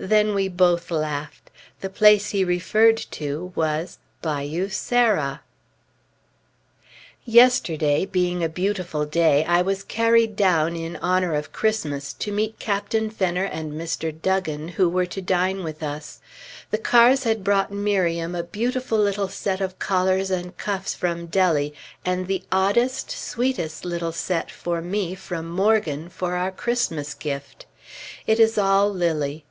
Then we both laughed. The place he referred to was Bayou, Sarah.... Yesterday, being a beautiful day, I was carried down in honor of Christmas, to meet Captain Fenner and Mr. Duggan who were to dine with us. The cars had brought Miriam a beautiful little set of collars and cuffs from Dellie, and the oddest, sweetest little set for me, from Morgan, for our Christmas gift. It is all Lilly....